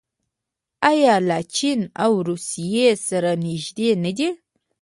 آیا له چین او روسیې سره نږدې نه دي؟